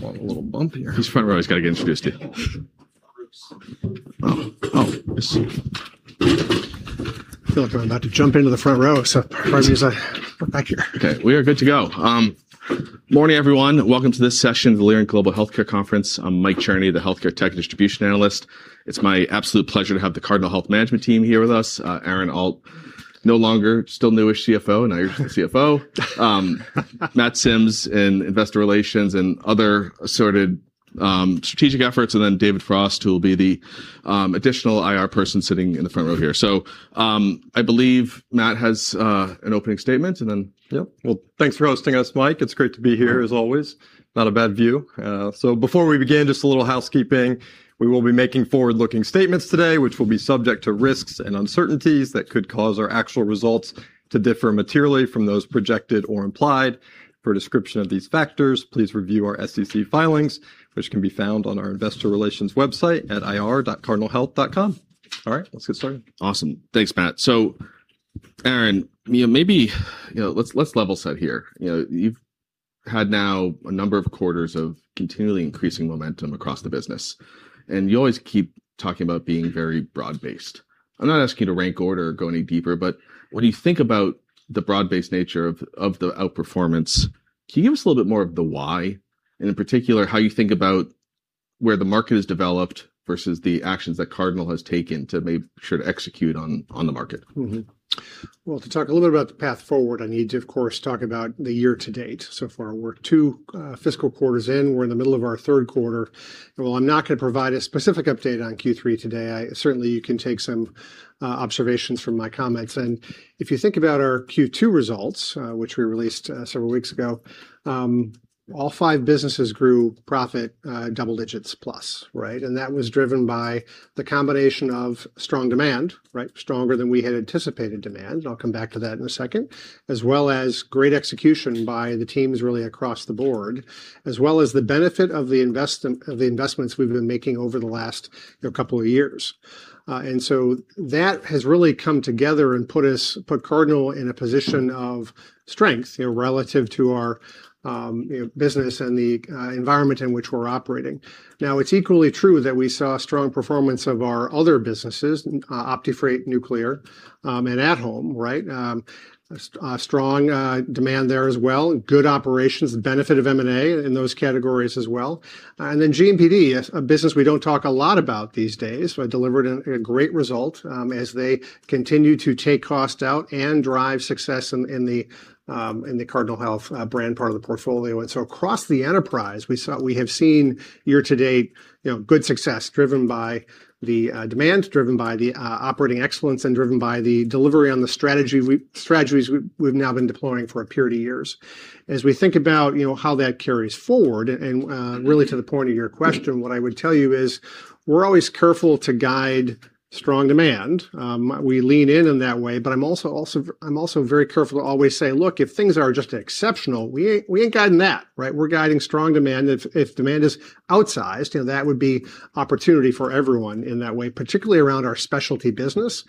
We are good to go. Morning, everyone. Welcome to this session of the Leerink Partners Global Healthcare Conference. I'm Michael Cherny, the healthcare tech distribution analyst. It's my absolute pleasure to have the Cardinal Health management team here with us. Aaron Alt no longer, still new-ish CFO. Now you're just the CFO. Matt Sims in Investor Relations and other assorted strategic efforts. David Frost, who will be the additional IR person sitting in the front row here. I believe Matt has an opening statement, and then... Yeah. Well, thanks for hosting us, Mike. It's great to be here, as always. Not a bad view. Before we begin, just a little housekeeping. We will be making forward-looking statements today, which will be subject to risks and uncertainties that could cause our actual results to differ materially from those projected or implied. For a description of these factors, please review our SEC filings, which can be found on our investor relations website at ir.cardinalhealth.com. All right, let's get started. Awesome. Thanks, Matt. Aaron, you know, maybe, you know, let's level set here. You know, you've had now a number of quarters of continually increasing momentum across the business, and you always keep talking about being very broad-based. I'm not asking you to rank order or go any deeper, but when you think about the broad-based nature of the outperformance, can you give us a little bit more of the why and in particular, how you think about where the market has developed versus the actions that Cardinal Health has taken to make sure to execute on the market? Well, to talk a little bit about the path forward, I need to, of course, talk about the year to date so far. We're two fiscal quarters in. We're in the middle of our third quarter. While I'm not gonna provide a specific update on Q3 today, I certainly, you can take some observations from my comments. If you think about our Q2 results, which we released several weeks ago, all five businesses grew profit double digits plus, right? That was driven by the combination of strong demand, right? Stronger than we had anticipated demand. I'll come back to that in a second. As well as great execution by the teams really across the board, as well as the benefit of the investments we've been making over the last, you know, couple of years. That has really come together and put Cardinal in a position of strength, you know, relative to our, you know, business and the environment in which we're operating. Now, it's equally true that we saw strong performance of our other businesses, OptiFreight, Nuclear, and at-Home, right? Strong demand there as well, good operations, the benefit of M&A in those categories as well. Then GMPD, a business we don't talk a lot about these days, but delivered a great result as they continue to take cost out and drive success in the Cardinal Health brand part of the portfolio. Across the enterprise, we have seen year to date, you know, good success driven by the demand, driven by the operating excellence, and driven by the delivery on the strategies we've now been deploying for a period of years. As we think about, you know, how that carries forward and, really to the point of your question, what I would tell you is we're always careful to guide strong demand. We lean in in that way, but I'm also very careful to always say, "Look, if things are just exceptional, we ain't, we ain't guiding that," right? We're guiding strong demand. If demand is outsized, you know, that would be opportunity for everyone in that way, particularly around our specialty business.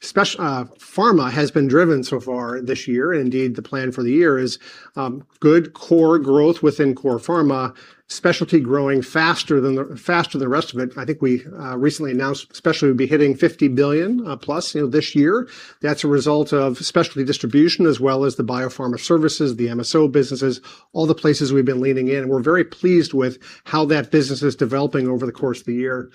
Pharma has been driven so far this year, indeed, the plan for the year is good core growth within core pharma, specialty growing faster than the rest of it. I think we recently announced specialty will be hitting $50 billion plus, you know, this year. That's a result of specialty distribution as well as the biopharma services, the MSO businesses, all the places we've been leaning in. We're very pleased with how that business is developing over the course of the year.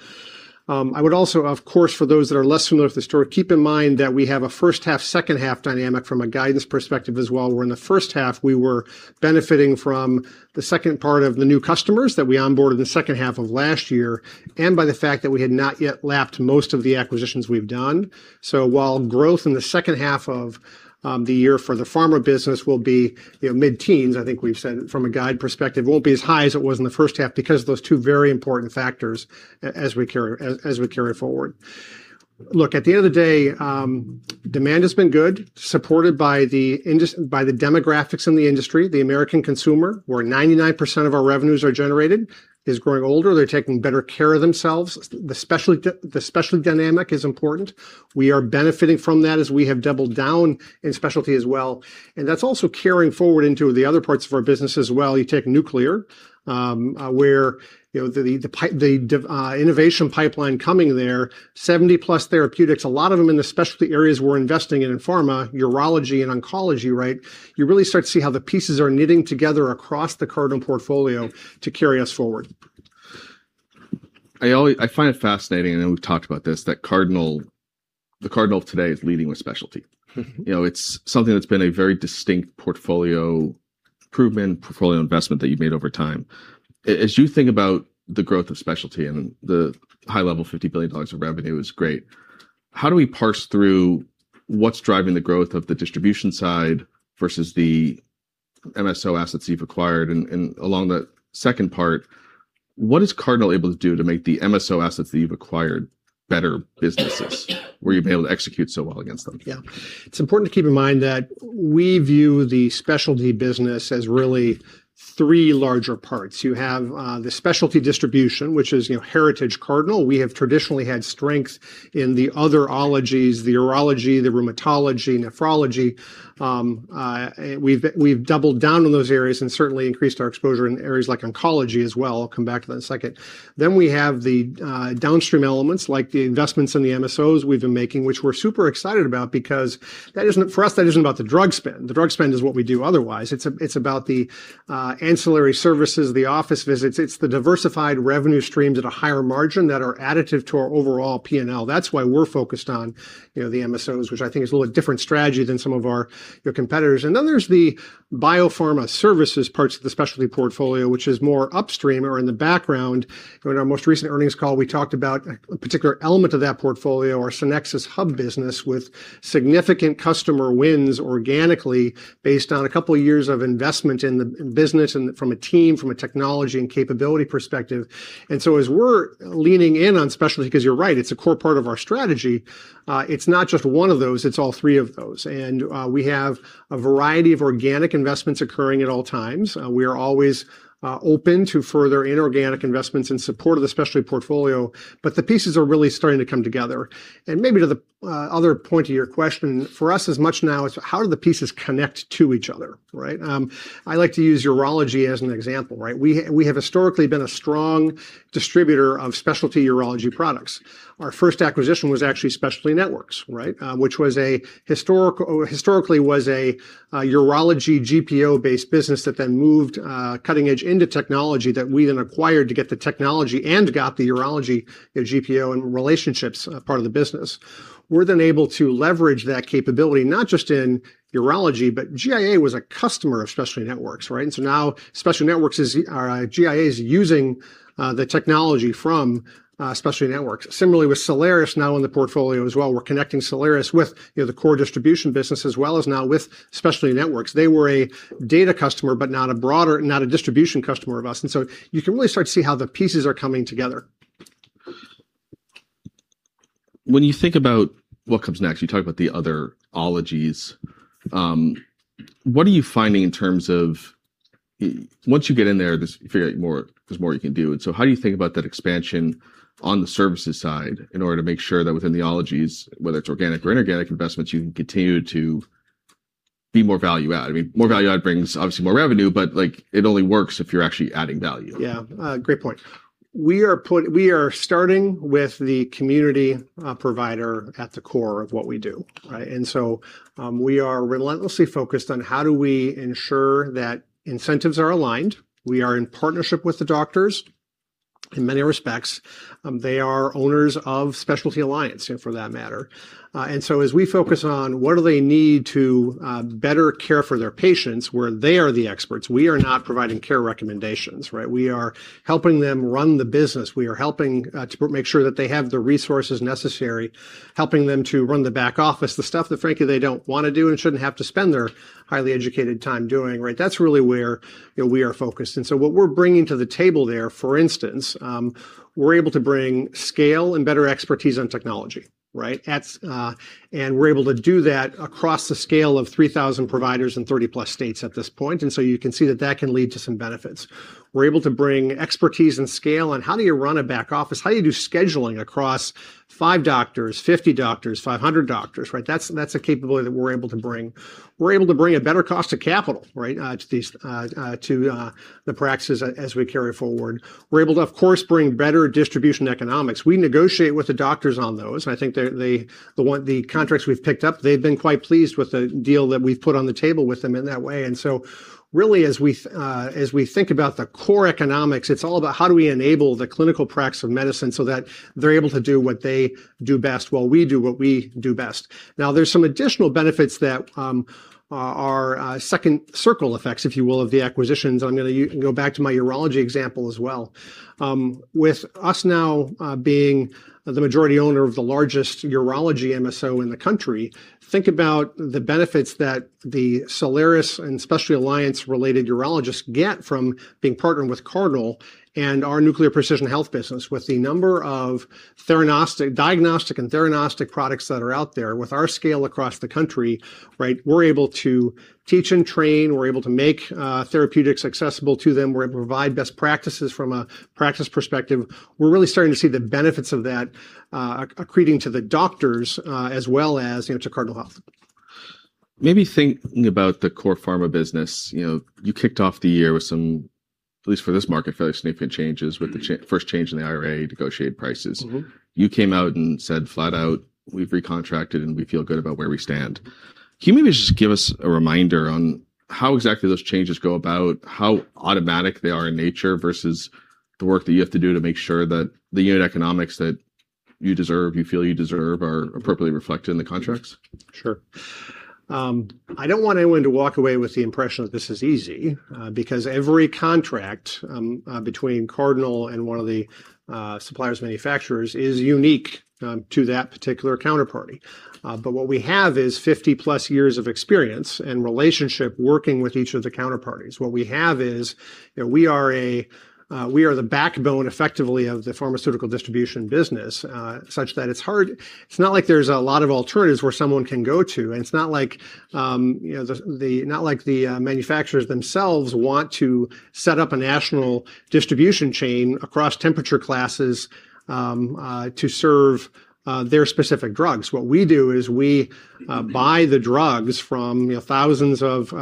I would also, of course, for those that are less familiar with the story, keep in mind that we have a first half, second half dynamic from a guidance perspective as well. We're in the first half, we were benefiting from the second part of the new customers that we onboarded in the second half of last year, and by the fact that we had not yet lapped most of the acquisitions we've done. While growth in the second half of the year for the pharma business will be, you know, mid-teens, I think we've said from a guide perspective, won't be as high as it was in the first half because of those two very important factors as we carry forward. Look, at the end of the day, demand has been good, supported by the demographics in the industry. The American consumer, where 99% of our revenues are generated, is growing older. They're taking better care of themselves. The specialty dynamic is important. We are benefiting from that as we have doubled down in specialty as well. That's also carrying forward into the other parts of our business as well. You take Nuclear, where, you know, the innovation pipeline coming there, 70 plus therapeutics, a lot of them in the specialty areas we're investing in in pharma, urology and oncology, right? You really start to see how the pieces are knitting together across the Cardinal portfolio to carry us forward. I find it fascinating, and we've talked about this, that Cardinal, the Cardinal of today is leading with specialty. Mm-hmm. You know, it's something that's been a very distinct portfolio improvement, portfolio investment that you've made over time. As you think about the growth of specialty and the high level $50 billion of revenue is great, how do we parse through what's driving the growth of the distribution side versus the MSO assets you've acquired? Along that second part, what is Cardinal able to do to make the MSO assets you've acquired better businesses where you've been able to execute so well against them? Yeah. It's important to keep in mind that we view the specialty business as really three larger parts. You have the specialty distribution, which is, you know, Heritage Cardinal. We have traditionally had strength in the other ologies, the urology, the rheumatology, nephrology, we've doubled down on those areas. Certainly increased our exposure in areas like oncology as well. I'll come back to that in a second. We have the downstream elements like the investments in the MSOs we've been making, which we're super excited about because for us, that isn't about the drug spend. The drug spend is what we do otherwise. It's about the ancillary services, the office visits. It's the diversified revenue streams at a higher margin that are additive to our overall P&L. That's why we're focused on, you know, the MSOs, which I think is a little different strategy than some of our, you know, competitors. Then there's the biopharma services parts of the specialty portfolio, which is more upstream or in the background. In our most recent earnings call, we talked about a particular element of that portfolio, our Sonexus Hub business, with significant customer wins organically based on two years of investment in the business and from a team, from a technology, and capability perspective. As we're leaning in on specialty, because you're right, it's a core part of our strategy, it's not just one of those, it's all three of those. We have a variety of organic investments occurring at all times. We are always open to further inorganic investments in support of the specialty portfolio, the pieces are really starting to come together. Maybe to the other point of your question, for us as much now, it's how do the pieces connect to each other, right? I like to use urology as an example, right? We have historically been a strong distributor of specialty urology products. Our first acquisition was actually Specialty Networks, right? Which was historically a urology GPO-based business that then moved cutting-edge into technology that we then acquired to get the technology and got the urology GPO and relationships part of the business. We're able to leverage that capability not just in urology, GIA was a customer of Specialty Networks, right? Now Specialty Networks is, or GIA is using the technology from Specialty Networks. Similarly with Solaris now in the portfolio as well. We're connecting Solaris with, you know, the core distribution business as well as now with Specialty Networks. They were a data customer but not a broader, not a distribution customer of ours. You can really start to see how the pieces are coming together. When you think about what comes next, you talk about the other ologies. What are you finding in terms of once you get in there, you figure out more, there's more you can do? How do you think about that expansion on the services side in order to make sure that within the ologies, whether it's organic or inorganic investments, you can continue to be more value add. I mean, more value add brings obviously more revenue, but, like, it only works if you're actually adding value. Great point. We are starting with the community provider at the core of what we do, right? We are relentlessly focused on how do we ensure that incentives are aligned. We are in partnership with the doctors in many respects. They are owners of Specialty Alliance for that matter. As we focus on what do they need to better care for their patients, where they are the experts, we are not providing care recommendations, right? We are helping them run the business. We are helping to make sure that they have the resources necessary, helping them to run the back office, the stuff that frankly they don't wanna do and shouldn't have to spend their highly educated time doing, right? That's really where, you know, we are focused. What we're bringing to the table there, for instance, we're able to bring scale and better expertise on technology, right? That's, and we're able to do that across the scale of 3,000 providers in 30 plus states at this point. You can see that that can lead to some benefits. We're able to bring expertise and scale on how do you run a back office, how you do scheduling across five doctors, 50 doctors, 500 doctors, right? That's a capability that we're able to bring. We're able to bring a better cost of capital, right, to these, to the practices as we carry forward. We're able to, of course, bring better distribution economics. We negotiate with the doctors on those, I think the contracts we've picked up, they've been quite pleased with the deal that we've put on the table with them in that way. Really as we think about the core economics, it's all about how do we enable the clinical practice of medicine so that they're able to do what they do best while we do what we do best. There's some additional benefits that are second circle effects, if you will, of the acquisitions. I'm gonna go back to my urology example as well. With us now, being the majority owner of the largest urology MSO in the country, think about the benefits that the Solaris Health and The Specialty Alliance related urologists get from being partnered with Cardinal Health and our Nuclear and Precision Health business. With the number of theranostic, diagnostic and theranostic products that are out there, with our scale across the country, right, we're able to teach and train, we're able to make therapeutics accessible to them, we're able to provide best practices from a practice perspective. We're really starting to see the benefits of that accreting to the doctors, as well as, you know, to Cardinal Health. Maybe thinking about the core pharma business, you know, you kicked off the year with some, at least for this market, fairly significant changes with the first change in the IRA negotiated prices. Mm-hmm. You came out and said flat out, "We've recontracted, and we feel good about where we stand." Can you maybe just give us a reminder on how exactly those changes go about, how automatic they are in nature versus the work that you have to do to make sure that the unit economics that you deserve, you feel you deserve, are appropriately reflected in the contracts? Sure. I don't want anyone to walk away with the impression that this is easy, because every contract between Cardinal and one of the suppliers manufacturers is unique to that particular counterparty. What we have is 50-plus years of experience and relationship working with each of the counterparties. What we have is, you know, we are a, we are the backbone effectively of the pharmaceutical distribution business, such that it's hard. It's not like there's a lot of alternatives where someone can go to, and it's not like, you know, the manufacturers themselves want to set up a national distribution chain across temperature classes to serve their specific drugs. What we do is we buy the drugs from, you know, thousands of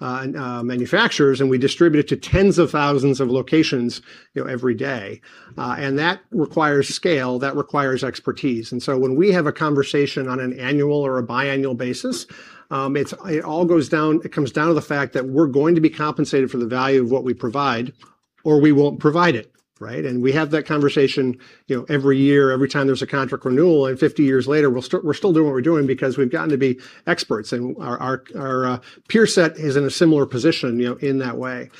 manufacturers, and we distribute it to tens of thousands of locations, you know, every day. That requires scale, that requires expertise. When we have a conversation on an annual or a biannual basis, it comes down to the fact that we're going to be compensated for the value of what we provide or we won't provide it, right? We have that conversation, you know, every year, every time there's a contract renewal, and 50 years later we're still doing what we're doing because we've gotten to be experts. Our, our peer set is in a similar position, you know, in that way.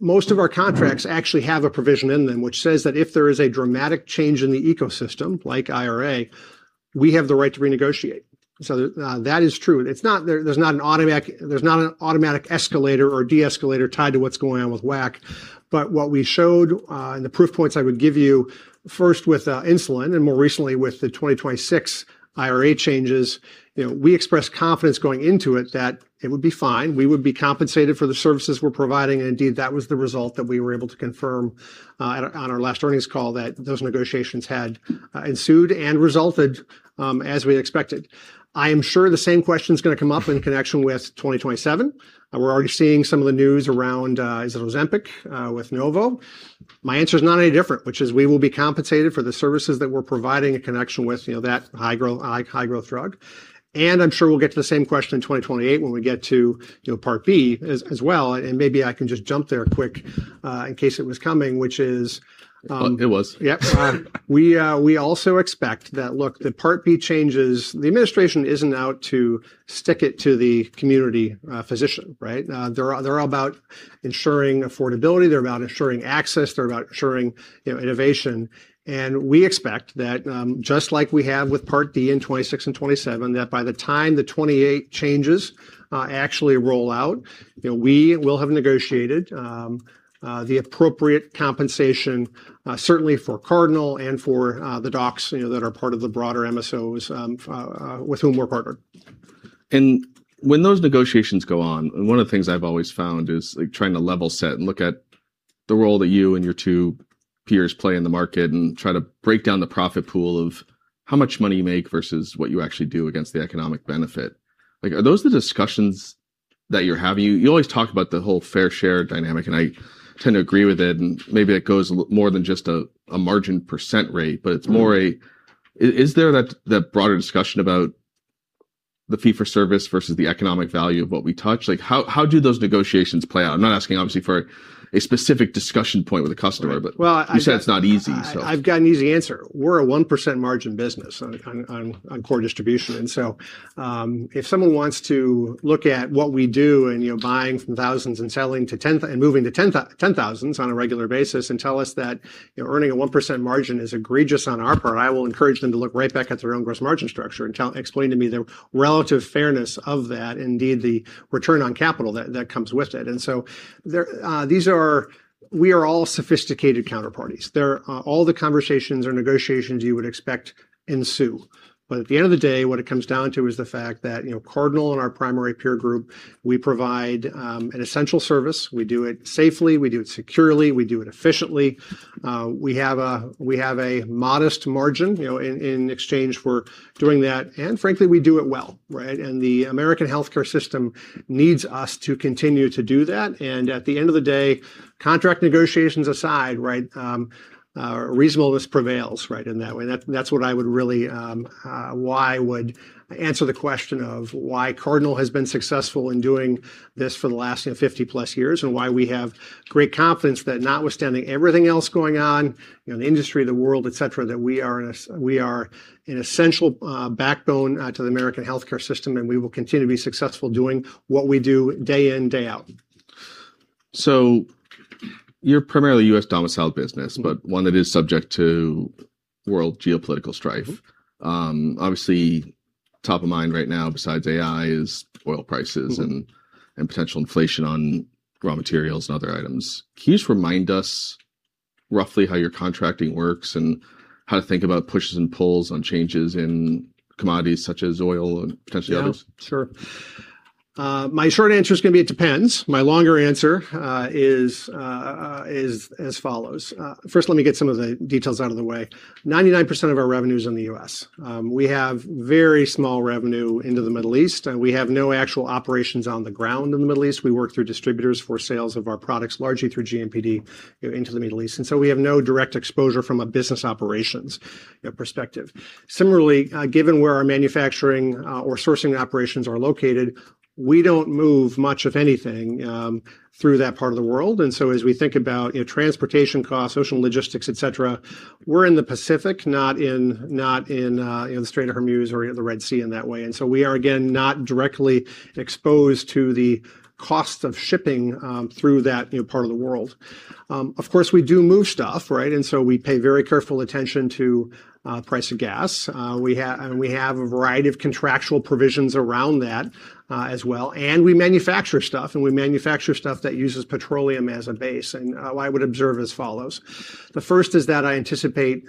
Most of our contracts actually have a provision in them which says that if there is a dramatic change in the ecosystem, like IRA, we have the right to renegotiate. That is true. It's not. There's not an automatic escalator or de-escalator tied to what's going on with WAC. What we showed, and the proof points I would give you first with insulin and more recently with the 2026 IRA changes, you know, we expressed confidence going into it that it would be fine, we would be compensated for the services we're providing. Indeed, that was the result that we were able to confirm on our last earnings call that those negotiations had ensued and resulted as we had expected. I am sure the same question's gonna come up in connection with 2027. We're already seeing some of the news around, is it Ozempic with Novo. My answer is not any different, which is we will be compensated for the services that we're providing in connection with, you know, that high growth drug. I'm sure we'll get to the same question in 2028 when we get to, you know, Part B as well, and maybe I can just jump there quick, in case it was coming, which is. It was. Yep. We also expect that, look, the Part B changes, the administration isn't out to stick it to the community, physician, right? They're all about ensuring affordability, they're about ensuring access, they're about ensuring, you know, innovation. We expect that, just like we have with Part D in 26 and 27, that by the time the 28 changes, actually roll out, you know, we will have negotiated, the appropriate compensation, certainly for Cardinal and for, the docs, you know, that are part of the broader MSOs, with whom we're partnered. When those negotiations go on, and one of the things I've always found is, like, trying to level set and look at the role that you and your two peers play in the market and try to break down the profit pool of how much money you make versus what you actually do against the economic benefit. Like, are those the discussions that you're having? You always talk about the whole fair share dynamic, and I tend to agree with it, and maybe it goes more than just a margin % rate, but it's more a. Is there that broader discussion about the fee for service versus the economic value of what we touch? Like, how do those negotiations play out? I'm not asking obviously for a specific discussion point with a customer. Well, I've You said it's not easy, so. I've got an easy answer. We're a 1% margin business on core distribution. If someone wants to look at what we do and, you know, buying from thousands and selling to and moving to 10 thousands on a regular basis and tell us that, you know, earning a 1% margin is egregious on our part, I will encourage them to look right back at their own gross margin structure and explain to me the relative fairness of that, indeed the return on capital that comes with it. There, these are. We are all sophisticated counterparties. There are all the conversations or negotiations you would expect ensue. At the end of the day, what it comes down to is the fact that, you know, Cardinal and our primary peer group, we provide an essential service. We do it safely, we do it securely, we do it efficiently. We have a modest margin, you know, in exchange for doing that, and frankly, we do it well, right? The American healthcare system needs us to continue to do that. At the end of the day, contract negotiations aside, right, reasonableness prevails, right, in that way. That's what I would really, why I would answer the question of why Cardinal has been successful in doing this for the last, you know, 50 plus years, and why we have great confidence that notwithstanding everything else going on, you know, in the industry, the world, et cetera, that we are an essential backbone to the American healthcare system, and we will continue to be successful doing what we do day in, day out. You're primarily a U.S. domiciled business. Mm-hmm. One that is subject to world geopolitical strife. Mm-hmm. Obviously top of mind right now besides AI is oil prices. Mm-hmm. Potential inflation on raw materials and other items. Can you just remind us roughly how your contracting works and how to think about pushes and pulls on changes in commodities such as oil and potentially others? Yeah. Sure. My short answer is gonna be it depends. My longer answer is as follows. First, let me get some of the details out of the way. 99% of our revenue is in the U.S. We have very small revenue into the Middle East, and we have no actual operations on the ground in the Middle East. We work through distributors for sales of our products, largely through GMPD, you know, into the Middle East. So we have no direct exposure from a business operations, you know, perspective. Similarly, given where our manufacturing or sourcing operations are located, we don't move much of anything through that part of the world. As we think about, you know, transportation costs, social logistics, et cetera, we're in the Pacific, not in the Strait of Hormuz or the Red Sea in that way. We are, again, not directly exposed to the cost of shipping through that, you know, part of the world. Of course, we do move stuff, right? We pay very careful attention to price of gas. We have a variety of contractual provisions around that as well, and we manufacture stuff that uses petroleum as a base. I would observe as follows. The first is that I anticipate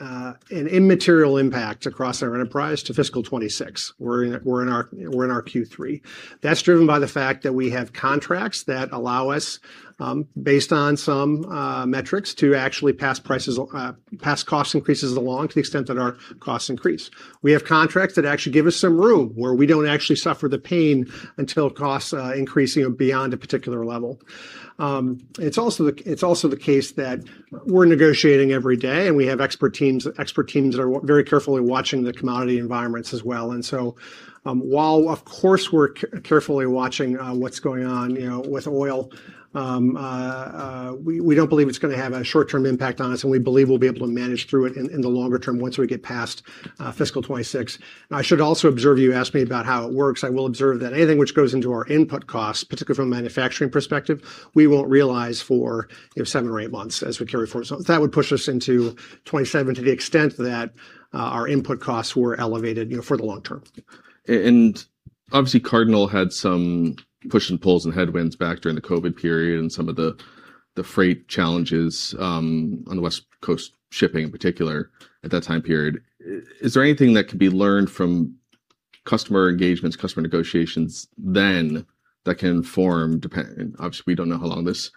an immaterial impact across our enterprise to fiscal 2026. We're in our Q3. That's driven by the fact that we have contracts that allow us, based on some metrics, to actually pass prices, pass cost increases along to the extent that our costs increase. We have contracts that actually give us some room where we don't actually suffer the pain until costs increase, you know, beyond a particular level. It's also the case that we're negotiating every day, and we have expert teams that are very carefully watching the commodity environments as well. While, of course, we're carefully watching what's going on, you know, with oil, we don't believe it's gonna have a short-term impact on us, and we believe we'll be able to manage through it in the longer term once we get past fiscal 2026. I should also observe you asked me about how it works. I will observe that anything which goes into our input costs, particularly from a manufacturing perspective, we won't realize for, you know, seven or eight months as we carry forward. That would push us into 2027 to the extent that our input costs were elevated, you know, for the long term. Obviously, Cardinal had some push and pulls and headwinds back during the COVID period and some of the freight challenges on the West Coast shipping in particular at that time period. Is there anything that could be learned from customer engagements, customer negotiations then that can form, obviously, we don't know how long this,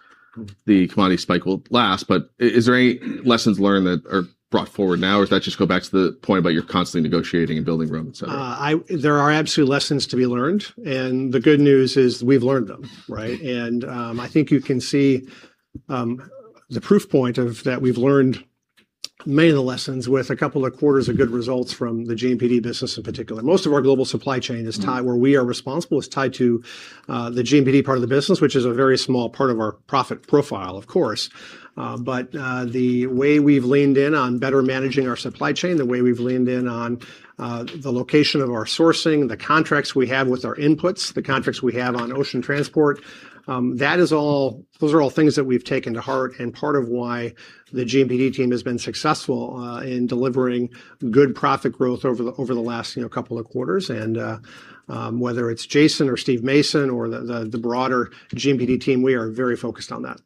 the commodity spike will last, but is there any lessons learned that are brought forward now, or does that just go back to the point about you're constantly negotiating and building room, et cetera? There are absolutely lessons to be learned, and the good news is we've learned them, right? I think you can see the proof point of that we've learned many of the lessons with two quarters of good results from the GMPD business in particular. Most of our global supply chain is tied, where we are responsible, is tied to the GMPD part of the business, which is a very small part of our profit profile, of course. The way we've leaned in on better managing our supply chain, the way we've leaned in on, the location of our sourcing, the contracts we have with our inputs, the contracts we have on ocean transport, that is all, those are all things that we've taken to heart and part of why the GMPD team has been successful, in delivering good profit growth over the last, you know, couple of quarters. Whether it's Jason or Steve Mason or the broader GMPD team, we are very focused on that.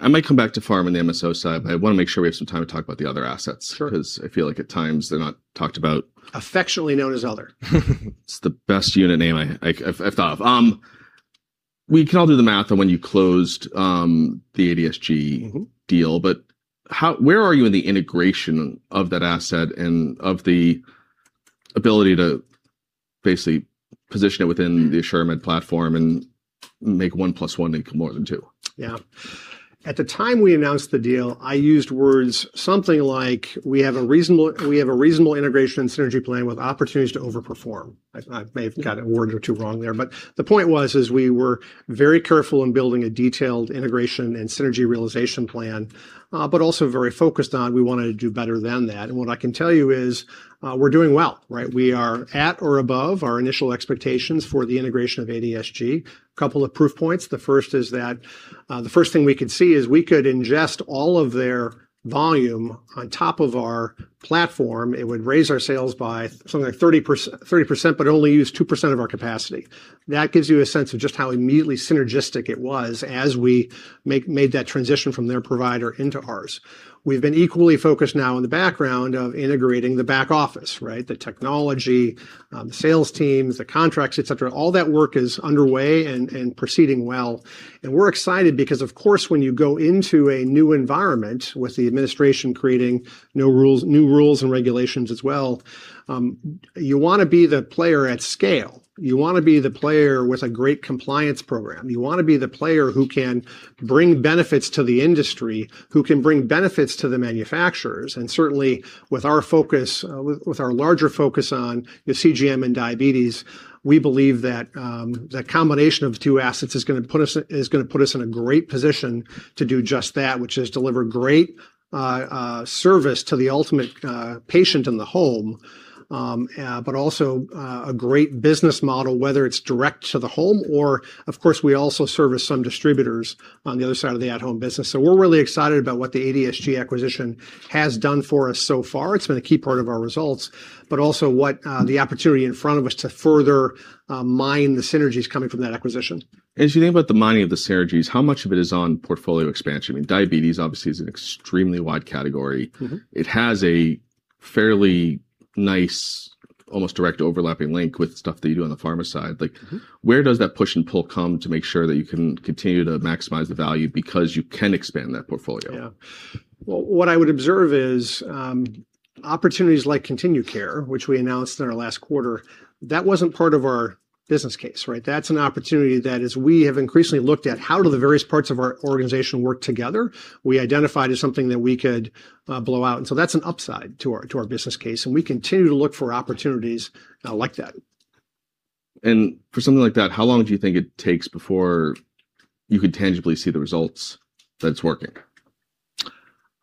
I might come back to pharm and the MSO side, but I wanna make sure we have some time to talk about the other assets Sure. Because I feel like at times they're not talked about. Affectionately known as other. It's the best unit name I've thought of. We can all do the math on when you closed the ADSG. Mm-hmm. Deal, but how where are you in the integration of that asset and of the ability to basically position it within the AssuraMed platform and make one plus one equal more than two? Yeah. At the time we announced the deal, I used words something like, "We have a reasonable integration and synergy plan with opportunities to overperform." I may have got a word or two wrong there, but the point was, is we were very careful in building a detailed integration and synergy realization plan, but also very focused on we wanted to do better than that. What I can tell you is, we're doing well, right? We are at or above our initial expectations for the integration of ADSG. Couple of proof points. The first is that, the first thing we could see is we could ingest all of their volume on top of our platform. It would raise our sales by something like 30%, but only use 2% of our capacity. That gives you a sense of just how immediately synergistic it was as we made that transition from their provider into ours. We've been equally focused now on the background of integrating the back office, right? The technology, the sales teams, the contracts, et cetera. All that work is underway and proceeding well. We're excited because, of course, when you go into a new environment with the administration creating new rules, new rules and regulations as well, you wanna be the player at scale. You wanna be the player with a great compliance program. You wanna be the player who can bring benefits to the industry, who can bring benefits to the manufacturers. Certainly, with our focus, with our larger focus on the CGM and diabetes, we believe that the combination of the two assets is gonna put us in a great position to do just that, which is deliver great service to the ultimate patient in the home. Also, a great business model, whether it's direct to the home or, of course, we also service some distributors on the other side of the at-Home business. We're really excited about what the ADSG acquisition has done for us so far. It's been a key part of our results, but also what the opportunity in front of us to further mine the synergies coming from that acquisition. As you think about the mining of the synergies, how much of it is on portfolio expansion? I mean, diabetes obviously is an extremely wide category. Mm-hmm. It has fairly nice, almost direct overlapping link with stuff that you do on the pharma side. Mm-hmm. Where does that push and pull come to make sure that you can continue to maximize the value because you can expand that portfolio? Yeah. Well, what I would observe is, opportunities like ContinuCare, which we announced in our last quarter, that wasn't part of our business case, right? That's an opportunity that as we have increasingly looked at how do the various parts of our organization work together, we identified as something that we could blow out. So that's an upside to our business case, and we continue to look for opportunities, like that. For something like that, how long do you think it takes before you could tangibly see the results that it's working?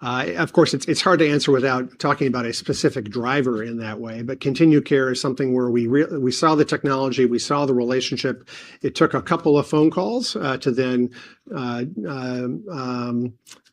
Of course, it's hard to answer without talking about a specific driver in that way. ContinuCare is something where we saw the technology, we saw the relationship. It took a couple of phone calls to then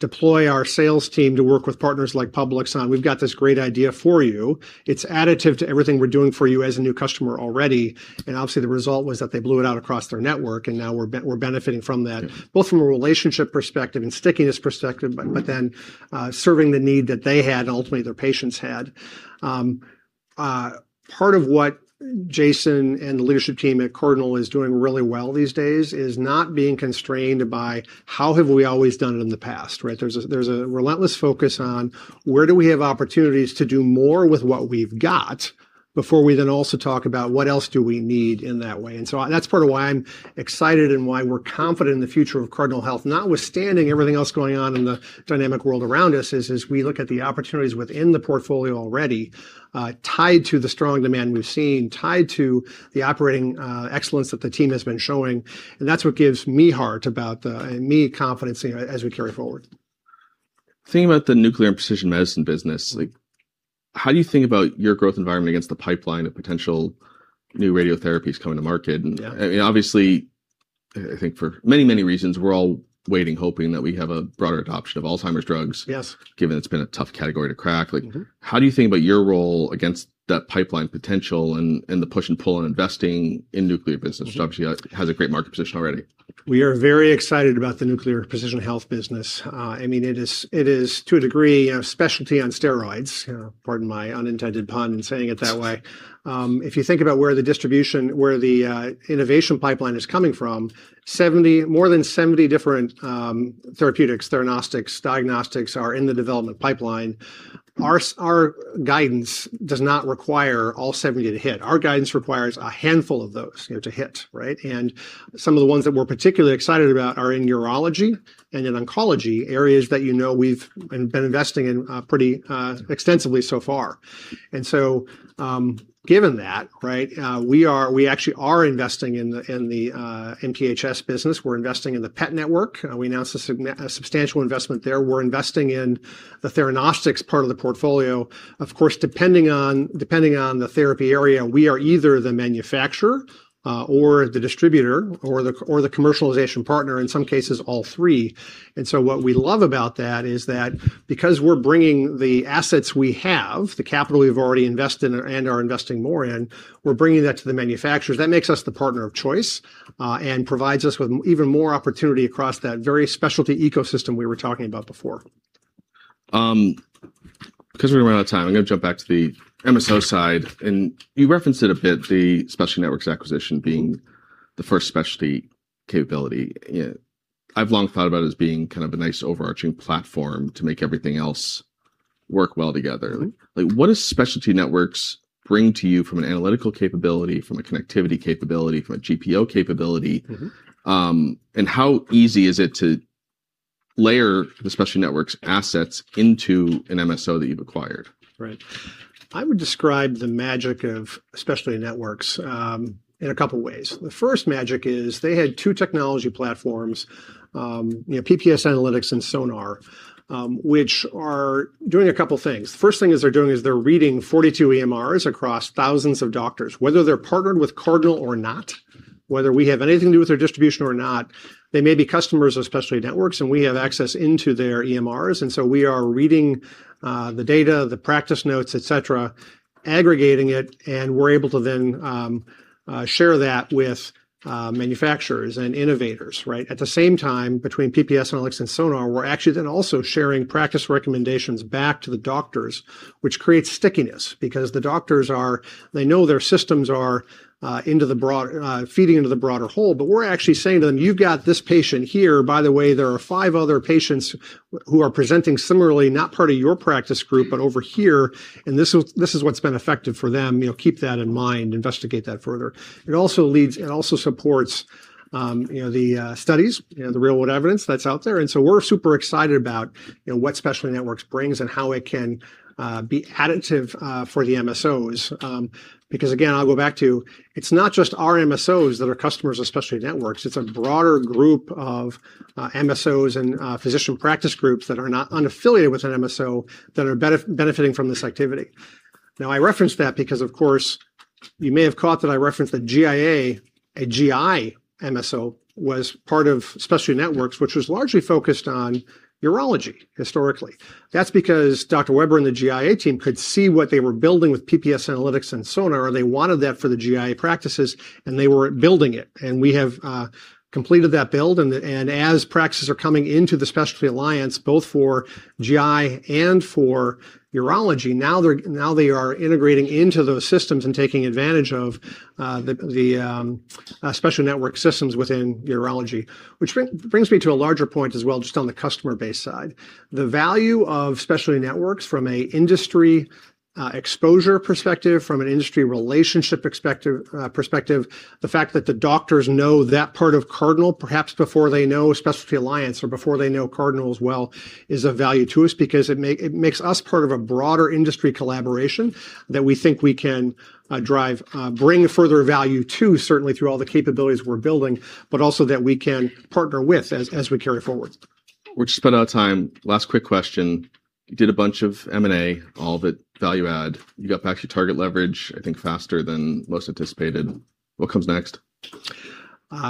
deploy our sales team to work with partners like Publix on, "We've got this great idea for you. It's additive to everything we're doing for you as a new customer already." Obviously the result was that they blew it out across their network and now we're benefiting from that. Mm-hmm. Both from a relationship perspective and stickiness perspective. Mm-hmm. Serving the need that they had and ultimately their patients had. Part of what Jason and the leadership team at Cardinal is doing really well these days is not being constrained by how have we always done it in the past, right? There's a relentless focus on where do we have opportunities to do more with what we've got before we then also talk about what else do we need in that way. That's part of why I'm excited and why we're confident in the future of Cardinal Health, notwithstanding everything else going on in the dynamic world around us, is we look at the opportunities within the portfolio already, tied to the strong demand we've seen, tied to the operating excellence that the team has been showing, and that's what gives me heart about the, and me confidence as we carry forward. Thinking about the Nuclear and precision medicine business, like how do you think about your growth environment against the pipeline of potential new radiotherapies coming to market? Yeah. Obviously, I think for many, many reasons, we're all waiting, hoping that we have a broader adoption of Alzheimer's drugs. Yes. Given it's been a tough category to crack. Mm-hmm. Like how do you think about your role against that pipeline potential and the push and pull in investing in Nuclear business, which obviously has a great market position already? We are very excited about the Nuclear and Precision Health Solutions business. I mean, it is to a degree, you know, specialty on steroids. You know, pardon my unintended pun in saying it that way. If you think about where the innovation pipeline is coming from, 70, more than 70 different therapeutics, theranostics, diagnostics are in the development pipeline. Our guidance does not require all 70 to hit. Our guidance requires a handful of those, you know, to hit, right? Some of the ones that we're particularly excited about are in urology and in oncology, areas that you know we've been investing in pretty extensively so far. Given that, right, we actually are investing in the NPHS business. We're investing in the PET network. We announced a substantial investment there. We're investing in the theranostics part of the portfolio. Of course, depending on, depending on the therapy area, we are either the manufacturer, or the distributor or the commercialization partner, in some cases all three. What we love about that is that because we're bringing the assets we have, the capital we've already invested and are investing more in, we're bringing that to the manufacturers. That makes us the partner of choice, and provides us with even more opportunity across that very specialty ecosystem we were talking about before. 'Cause we're gonna run out of time, I'm gonna jump back to the MSO side. You referenced it a bit, the Specialty Networks acquisition being the first specialty capability. You know, I've long thought about it as being kind of a nice overarching platform to make everything else work well together. Mm-hmm. Like what does Specialty Networks bring to you from an analytical capability, from a connectivity capability, from a GPO capability? Mm-hmm. How easy is it to layer the Specialty Networks assets into an MSO that you've acquired? Right. I would describe the magic of Specialty Networks in a couple ways. The first magic is they had two technology platforms, you know, PPS Analytics and SoNaR, which are doing a couple things. The first thing is they're doing is they're reading 42 EMRs across thousands of doctors. Whether they're partnered with Cardinal or not, whether we have anything to do with their distribution or not, they may be customers of Specialty Networks, and we have access into their EMRs. We are reading the data, the practice notes, et cetera, aggregating it, and we're able to then share that with manufacturers and innovators, right? At the same time, between PPS Analytics and SoNaR, we're actually then also sharing practice recommendations back to the doctors, which creates stickiness because the doctors, they know their systems are into the broad feeding into the broader whole. We're actually saying to them, "You've got this patient here. By the way, there are five other patients who are presenting similarly, not part of your practice group, but over here, and this is what's been effective for them. You know, keep that in mind. Investigate that further." It also supports, you know, the studies, you know, the real-world evidence that's out there. We're super excited about, you know, what Specialty Networks brings and how it can be additive for the MSOs. because again, I'll go back to, it's not just our MSOs that are customers of Specialty Networks. It's a broader group of MSOs and physician practice groups that are not unaffiliated with an MSO that are benefiting from this activity. I reference that because, of course, you may have caught that I referenced that GIA, a GI MSO, was part of Specialty Networks, which was largely focused on urology historically. That's because Dr. Weber and the GIA team could see what they were building with PPS Analytics and SoNaR, and they wanted that for the GIA practices, and they were building it. We have completed that build, and as practices are coming into the Specialty Alliance, both for GI and for urology, now they are integrating into those systems and taking advantage of the Specialty Networks systems within urology. Brings me to a larger point as well, just on the customer base side. The value of Specialty Networks from a industry exposure perspective, from an industry relationship perspective, the fact that the doctors know that part of Cardinal perhaps before they know Specialty Alliance or before they know Cardinal as well is of value to us because it makes us part of a broader industry collaboration that we think we can drive, bring further value to, certainly through all the capabilities we're building, but also that we can partner with as we carry forward. We're just about out of time. Last quick question. You did a bunch of M&A, all of it value add. You got back to your target leverage, I think faster than most anticipated. What comes next?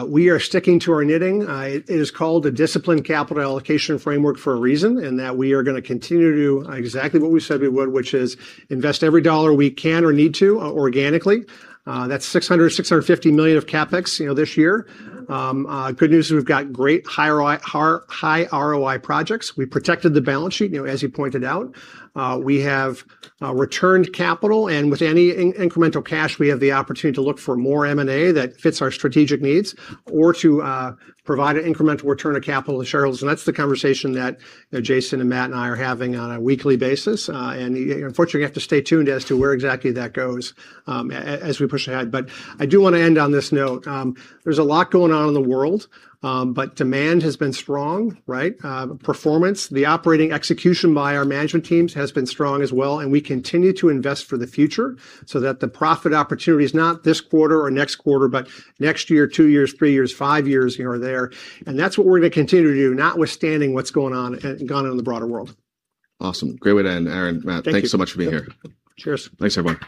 We are sticking to our knitting. It is called a disciplined capital allocation framework for a reason, in that we are gonna continue to do exactly what we said we would, which is invest every dollar we can or need to organically. That's $600 million-$650 million of CapEx, you know, this year. Good news is we've got great high ROI projects. We protected the balance sheet, you know, as you pointed out. We have returned capital, and with any incremental cash, we have the opportunity to look for more M&A that fits our strategic needs or to provide an incremental return of capital to shareholders. That's the conversation that, you know, Jason and Matt and I are having on a weekly basis. You know, unfortunately, you have to stay tuned as to where exactly that goes as we push ahead. I do wanna end on this note. There's a lot going on in the world, but demand has been strong, right? Performance, the operating execution by our management teams has been strong as well, and we continue to invest for the future so that the profit opportunity is not this quarter or next quarter, but next year, two years, three years, five years, you know, are there. That's what we're gonna continue to do, notwithstanding what's going on in the broader world. Awesome. Great way to end. Aaron, Matt, thanks so much for being here. Cheers. Thanks, everyone.